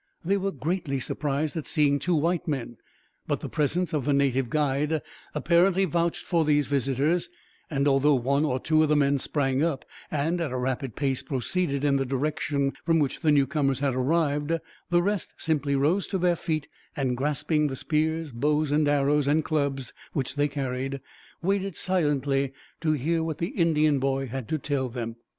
They were greatly surprised at seeing two white men, but the presence of the native guide apparently vouched for these visitors; and although one or two of the men sprang up and, at a rapid pace, proceeded in the direction from which the newcomers had arrived, the rest simply rose to their feet and, grasping the spears, bows and arrows, and clubs which they carried, waited silently to hear what the Indian boy had to tell them.